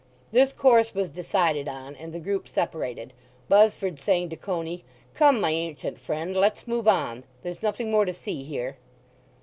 This course was decided on, and the group separated, Buzzford saying to Coney, "Come, my ancient friend; let's move on. There's nothing more to see here."